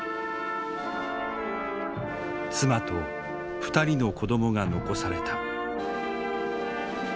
妻と２人の子どもが残された。